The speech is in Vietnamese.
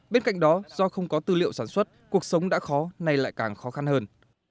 bên cạnh đó do không có tư liệu sản xuất cuộc sống đã khó nay lại càng khó khăn hơn